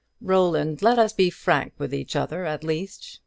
"Roland, let us be frank with each other, at least.